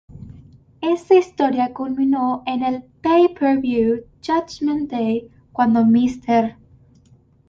Esta historia culminó en el pay-per-view Judgement Day, cuando Mr.